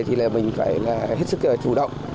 thì là mình phải là hết sức chủ động